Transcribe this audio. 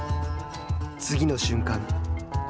次の瞬間。